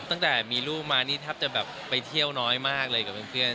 ตั้งแต่มีลูกมานี่แทบจะแบบไปเที่ยวน้อยมากเลยกับเพื่อน